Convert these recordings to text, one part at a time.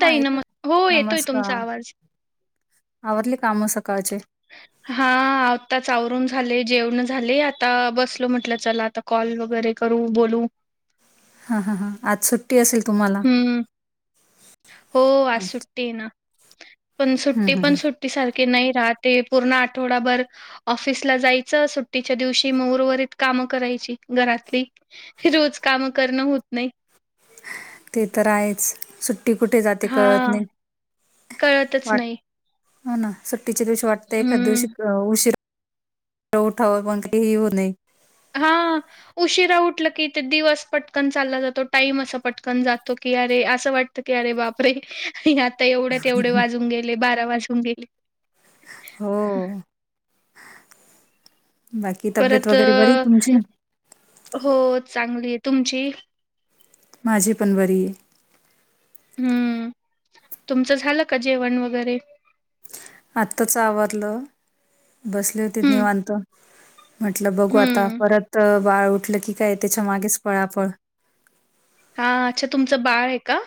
हा ना येतो मग हो येतोय तुमचा नमस्कार आवाज आवरली काम सकाळचे हा आता चावरून झाले जेवण झाले आता बसल म्हटलं चला आता कॉल वगैरे करू बोलू हा हा हा आज सुट्टी असेल तुम्हाला हम्म हो आ हम्म सुट्टी आहे ना पण सुट्टी हम्म पण हम्म. सुट्ट सारखे नाही राहते पूर्ण आठवडाभर ऑफिसला जायचं सुट्टीच्या दिवशी उर्वरित काम करायची घरातली रोज काम करणं होत नाही ते तर आहेच सुट्टी कुठे जाते कळत हा. नाही कळतच वाट नाही हो ना सुट्टीच्या दिवशी वाटत एखाद्या हम्म दिवशी उशीिरा उठावर मगे ह हो नाहीय हा उशिरा उठल की ते दिवस पटकन चालला जातो टाईम असं पटकन जातो की अरे असं वाटत की अरे बापरे आता एवढ्या तेवढे वाजून गेले बारा वाजून गेले हो बाकी तब्येत परत वगैरे बरी अ, तुमची हो चांगली आहे तुमची माझी पण बरी ये हम्म तुमचं झालं का जेवण वगैरे आत्ताच आवरलं बसली होती हं, निवांत म्हटलं बघू आता हं. परत बाळ उठलं की काय त्याच्या मागेच पळापळ हा अच्छा तुमचं बाळ आहे का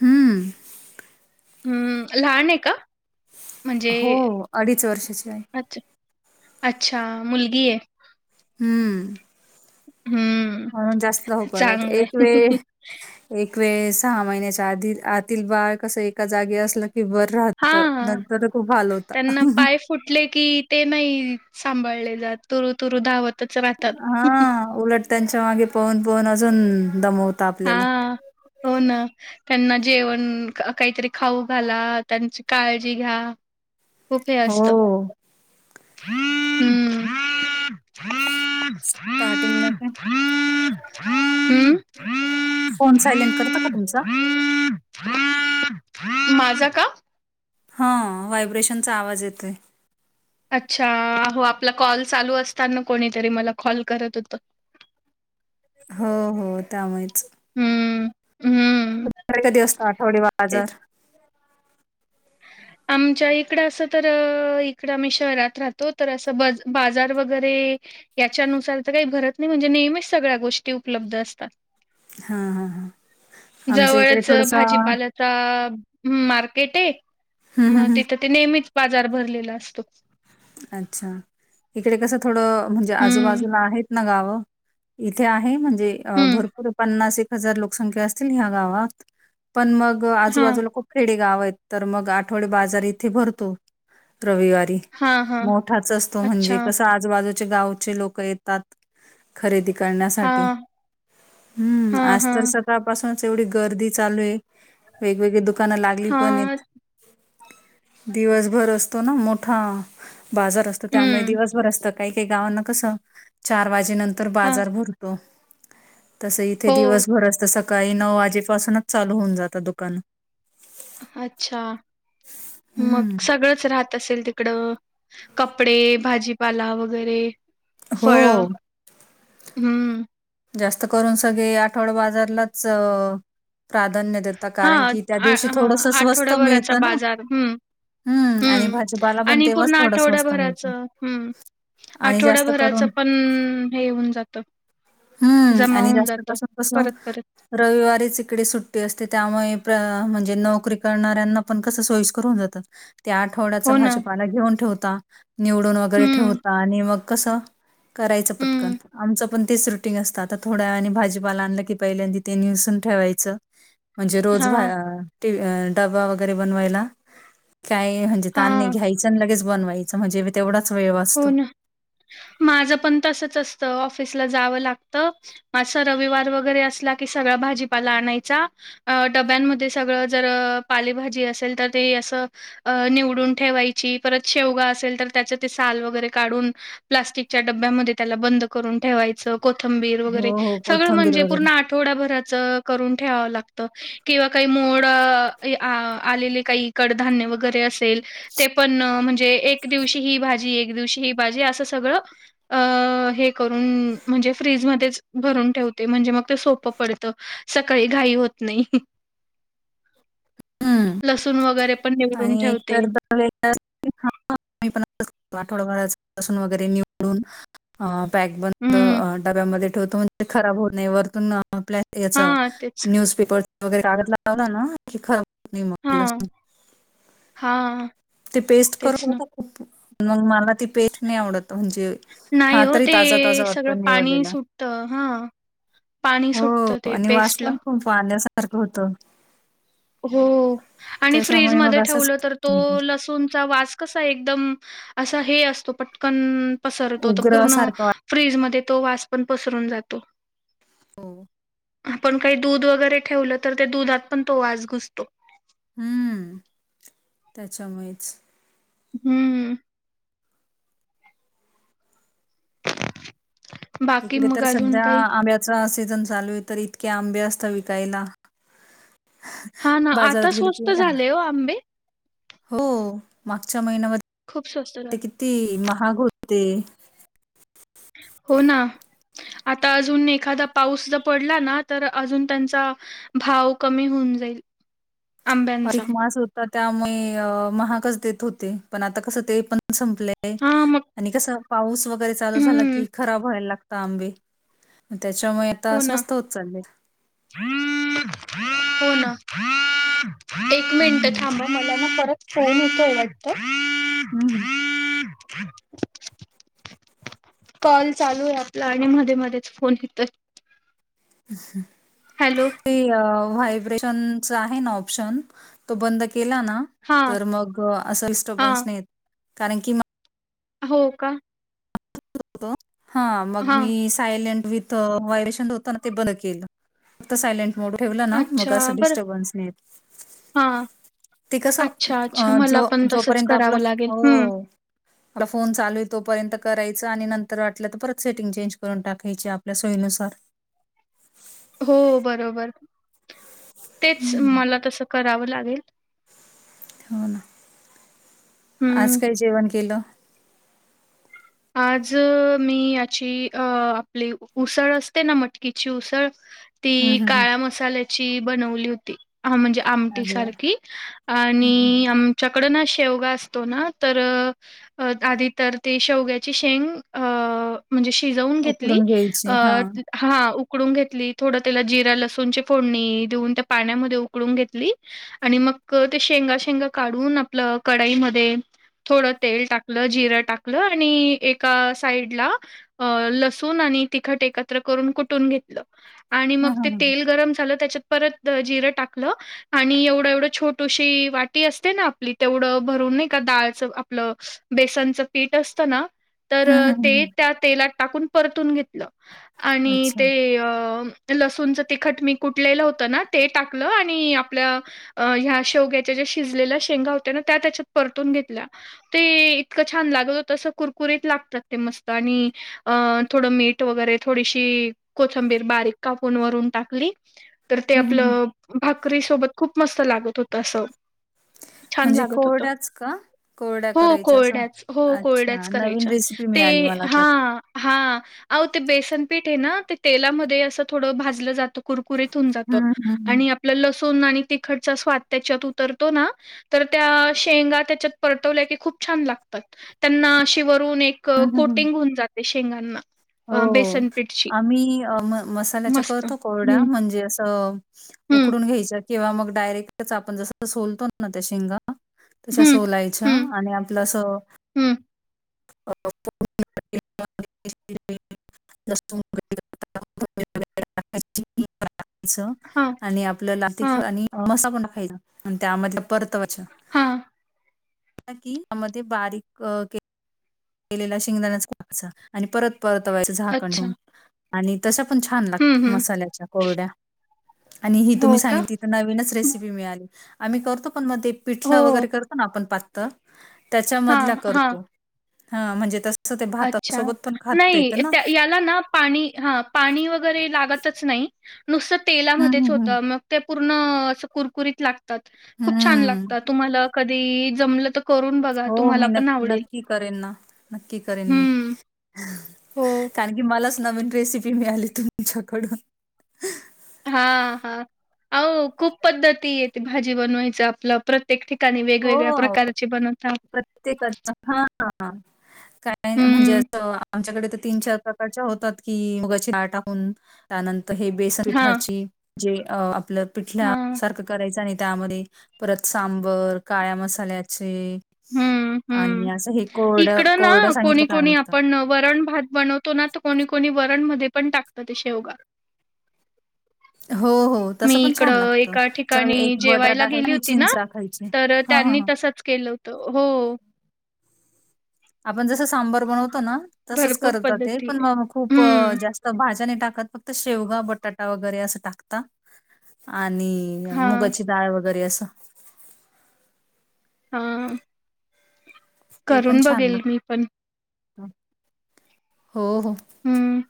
हम्म हं, लहान आहे का म्हणजे हो अडीच वर्षाची आहेय अच्छा, अच्छा मुलगी आहे हम्म हं, म्हणून जास्त हो परत चांगलं एक आहे. वेळ एकवेस सहा महिन्याच्या आधी आतील बाळ कसं एका जागी असलं फिवर हां. राहत नंतर खूप हाल होता त्यांना पाय फुटले की ते नाही सांभाळले जात तुरु तुरु धावतच हा उलट त्यांच्या मागे पहून पहून अजून दमवत हा हो ना त्यांना जेवण काहीतरी खाऊ घाला त्यांची काळजी घ्या खुपे असत हो, हम् स्टार्टिंगला का फोन सायलेंट करत का तुमचा माझा का हा व्हायब्रेशनचा आवाज येतोय अच्छा हो आपला कॉल चालू असता ना कोणीतरी मला कॉल करत होत हो हो त्यामुळेच हम्म हम्म तला कधी असत आठवडी तेच बाजार ह आमच्या इकडं असं तर इकडं आम्ही शहरात राहतो तर असं बज बाजार वगैरे याच्यानुसार तर काही भरत नाही म्हणजे नेहमीच सगळ्या गोष्टी उपलब्ध असतात हां, हां, हां. आमच्या इकडे जवळच थोडंसं भाजीपाल्याचा मार्केट आहे हं, हं, मग हं. तिथं ते नेहमीच बाजार भरलेला असतो अच्छा इकडे कसं थोडं म्हणजे हम्म आजूबाजूला आहेत ना गावं इथे आहे म्हणजे हम्म भरपूर पन्नास एक हजार लोकसंख्या असतील ह्या गावात पण मग हा आजूबाजूला खूप खेडे गाव आहेत तर मग आठवडे बाजार इथे भरतो रविवारी हा हा मोठाच असतो म्हणजे अच्छा कसं आजूबाजूचे गावचे लोक येतात खरेदी हा करण्यासाठी हम्म हा आज हा तर स आपासूनच एवढी गर्दी चालू आहे वेगवेगळी दुकानं लागली पण हा आहेत दिवसभर असतो ना मोठा बाजार असतो त्यामुळे हम्म दिवसभर असतात काही काही गावांना कसं चार वाजे नंतर हा बाजार भरतो तसं इथे हो दिवसभर अस तर सकाळी नऊ वाजेपासूनच चालू होऊन जातं दुकान अच्छा हम्म मग सगळंच राहत असेल तिकड कपडे भाजीपाला वगैरे हो फळ हम्म जास्त करून सगळे आठवड बाजारलाच प्राधान्य देतात कारण हां, की त्या आ दिवशी हां, थोडंस स्वस्त मिळत आठवडाभराचा ना बाजार. हं, हम्म आणि हं. भाजपाला पण आणि तेव्हाच पूर्ण थोडं स्वस्त मिळत आठवड्याभराचं हं, आठवड्याभराचं पण हे होऊन जात हम्म आणि जास्तपासून कस परत-परत. रविवारीच इकडे सुट्टी असते त्यामुळे म्हणजे नोकरी करणाऱ्यांना पण कस सोयस् करून जात त्या आठवड्याच हो ना. भाजीपाला घेऊन ठेवता निवडून वगैरे हं, ठेवता आणि मग कसं करायचं पटकन हं. आमचं पण तीस रुटी ंग असत आ थोड्या वनी भाजीपाला आणलं की पहिल्यांद ते नसून ठेवायचं म्हणजे रोज हां, डबा वगैरे बनवायला काय म्हणजे तानणे हां. घ्यायचं लगेच बनवायचं म्हणजे तेवढाच वेळ हो वाचतो ना. माझं पण तसच असतं ऑफिसला जावं लागत मा रविवार वगैरे असला की सगळा भाजीपाला आणायचा अ डब्यांमध्ये सगळं जर पालेभाजी असेल तर ते असं अ निवडून ठेवायची परत शेवगा असेल तर त्याच्यात साल वगैरे काढून प्लास्टिकच्या डबब्यामध्ये त्याला बंद करून ठेवायच कोथंबीर वगैरे हो, हो. सगळ कोथंबीर म्हणजे प वगैरे. थोड्याभराच करून ठेवावं लागत किंवा काही मोड आलेले काही धान्य वगैरे असेल ते पण म्हणजे एक दिवशी ह एक दिवशी ही भाजी असं सगळं अ हे करून म्हणजे फ्रीज मध्येच भरून ठेवते म्हणजे मग ते सोपं पड सकाळी घाई होत नाही [inaudible] हं. लसण वगैरे पण निवडून आणि एक ठेवते. तर द पण आठवडाभराचसून वगैरे निवडून अ पॅक बंद हं. डब्यामध्ये ठेवतो म्हणे खराब होणे वरतून आपल्या याच हां, तेच. न्यूजपेपर वगैरे कागद लागवला ना क खरब हा ती पेस्ट करून होता खूप मग मला ती पेस्ट नाही आवडत म्हणजे नाही हा हो तरी ताज ताजा ते वाटत सगळं पाणी निवळलेला सुटतं हां, पाणी हो सुटतं ते आणि वास पेस्टला. पण खूप पाहण्यासारखं होत हो आणि त्याच्यामुळे फ्रीजमध्ये मग असंच ठेवलं तर तो लसूणचा वा कसा एकदम असा हे असतो पटकन पसरतो तर उग्र पूर्ण सारखं फ्रीजमध्ये तो वास पण पसरून जातो हो आपण काही दूध वगैरे ठेवलं तर त्या दुधात पण तो वास घुसतो हम्म त्याच्यामुळेच हम्म [inaudible] बाकी इकडे मग तर अजून सध्या काही आम् सीज चालू आहे तर इतके आंबे असत विकायला हा ना बाजारात आता गेले स्वस्त की झाले हो आंबे हो मागच्या महिन्यामध्ये खूप स्वस्त राहिलं ती महाग होते हो ना आता अजून एखादा पाऊस ज पडला ना तर अजून त्यांचा भाव कमी होऊन जाईल अ आंब्यांचा मास होता त्यामुळे महागच देत होते पण आता कस ते पण संपले हा मग आणि कस पाऊस वगैरे चालू झाला हम्म कि खराब व्हायला लागत तंबे त्याच्यामुळे आता स्वस्त होत चालले होन एक मिनट हं, मला ना परत फोन येत आटत हम् कॉल चालू आहे आपला आणि मध्ये मध्येच फोन घेतच हम् हॅलो व्हायब्रेशन आहे ना ऑप्शन तो बंद केला ना हा तर मग हा नाही कारण क हो का हा मग हा. मी सायलेंट विथ व्हायब्रेशन होतं ना ठेवलं ना मग अच्छा, असं बरं डिस्टर्बन्स नाही हां. ते कस अच्छा, अ अच्छा. जो मला पण तसंच जोपर्यंत करावं आपलं लागेल. हो हं. मला फोन चालू आहे तोपर्यंत करायच आणि नंतर वाटलं तर परत सेटिंग चेंज करून टाकायची आपल्या सोयीनुसार हो बरोबर तेच हम्म मला तसं करावं लागेल हो ना हं. आज काही जेवण केलं आज मी याची अ आपली उसळ असते ना मटकीची उसळ हम्म ती हम्म हम्म काळ्या मसाल्याची बनवली होती हा म्हणजे आमटी अरे वा! सारखी हम्म हम्म हम्म. आणि आम च्याकड ना शेवगा असतो ना तर आधी तर ते शेवग्या शेंग म्हणजे शिजवून घेतली उकडून घ्यायची हा. हा उकडून घेतली थोडं त्याला जिरा लसूणची फोडणी देऊन त्या पाण्यामध्ये उकळून घेतली आणि मग ते शेंगा शेंगा काढून आपलं कढाईमध्ये थोडं तेल टाकलं जिरं टाकलं आणि एका साईड ला लसून आणि तिखट एकत्र करून कुठून घेतलं आणि मग हं ते हं हं तेल गरम झालं त्याच्यात परत जिरं टाकलं आणि एवढं एवढं छोटीशी वाटी असते ना आपली तेवढं भरून नाही का डाळच आपलं बेसनचं पीठ असत ना तर हं हं ते हं त्या तेलात टाकून परतून घेतलं आणि अच्छा ते लसूणचं तिखट मी कुटलेलं होतं ना ते टाकलं आणि आपल्या अं ह्या शेवग्याच्या ज्या शिजलेल्या शेंगा होत ना त्या त्याच्यात परतून घेतल्या ते इतकं छान लागल होतसं कुरकुरीत लागतात ते मस्त आणि अ थोडं मीठ वगैरे थोडीशी कोथंबीर बारीक कापून वरून टाकली तर ते हं हं हं. आपलं भाकरी सोबत खूप मस्त लागत होत असं म्हणजे कोरड्याच का? छत कोरड्या करायच्या असं? अच्छा, होड नवीन करायच्या रेसिपी मिळाली ते मला तर. हा हा ते बेसन पीठ आहे ना ते तेलामध्ये अस थोडं भाजलं जात कुरकुरीत होऊन जात हं, हं, हं. आणि आपलं लसूण आणि तिखटचा स्वाद त्याच्यात उतरतो ना तर त्या शेंगा त्याच्यात परवल्या क खूप छान लागतात त्यां अशी वरून एक हं, हं, हं. कोटिंग होऊन जाते शेंगांना अ, हो बेसन पीठची. आम्ही म मसाल्याच्या मस्त. करतो कोरडा हं, म्हणजे असं हं, उकडून घ्यायच्या किंवा मग डायरेक्ट आपण जस सोलतो ना त्या शिंग तच्या हं, सोलायच्या हं, आणि आपलं अस हं. लसूण च हां, आणि आपलं ला खेळ हां, आणि मसा पण टाकायचा त्यामध्ये हां. ब केलेला शेंगदाण्याचवायचा आणि परत परत वयचं झाकण अच्छा. ठेऊून आणि तशा पण छान हं, लागत हं. मसाल्याच्या कोरड्या आणि ही तुम्ही हो का? सांगित नवीनच रेसिपी मिळाली आम्ही करतो पण मग ते पिठ हो. वगैरे करतो ना आपण त्या हां, हां. म्ह अच्छा नाही त्या याला ना पाणी हा पाणी वगैरे लागतच नाही नुसतं हम्म तेलामध्येच हम्म होतं मग ते पूर्ण कुरकुरीत लागतात हम्म खूप छान हम्म लागतात तुम्हाला कधी जमलं करून बघा तुम्हाला पण आवडेल े ना नक्की करेन मी हं. हो. कारण की मलाच नवीन रेसिपी मिळाली त तुमच्याकडून हा हा अ खूप पद्धती येते भाजी बनवायच आपलं प्रत्येक ठिका नी वेगवेगळ्या प्रकारचे बनवत प्रत्येक हा ह काय म्हणजे हं. असं आमच्याकडे तर तीन चार प्रकारच्या होतात कि मुगाची ळ टाकून त्यानंतर हे बेसन हां, पिठाची जे आपलं पिठल्या हां. सारखं करायचा नाही त्यामध्ये परत सांबर काळ्या मसाल्याचे हम्म आणि असं हे हम् कोरडं इकडं ना कोरडं सांगितलं कोणी काय कोणी म्हणतं आपण वरण भात बनवतो ना तर कोणी कोणी वरण मध्ये पण टाकत ते शेवगा [inaudible] मी इकड छान लागतं. एका ठिकाणी त्याच्यामध्ये एक बटाटा जेवायला टाकायचा गेली आणि होती ना चिंच टाकायची. तर हां, हां, त्यांनी हां. तसंच केलं होत हो आपण जसं सांबर बनवतो ना तसंच भरपूर करतात ते पद्धती पण म खूप हं, जास्त भाज्या नाही टाकत फक्त शेवगा बटाटा वगैरे असं टाकता आणि हां, मुगाची डाळ वगैरे असं हा ते पण छान ना मी पण. हो हो हं,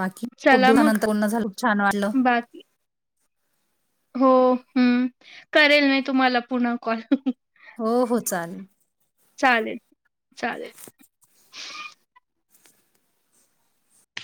बाकी खूप चला मग दिवसानंतर बोलण झालं छान वाटलं बाकी हो हम् करेल नाही तुम्हाला पुन्हा कॉल हो हो चालेल चालेल चालेल